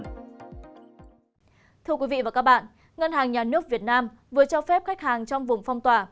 thưa quý vị và các bạn ngân hàng nhà nước việt nam vừa cho phép khách hàng trong vùng phong tỏa